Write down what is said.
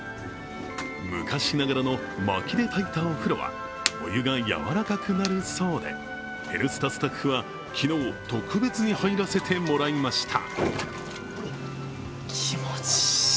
昔ながらのまきで炊いたお風呂は、お湯が柔らかくなるそうで、「Ｎスタ」スタッは昨日、特別に入らせてもらいました。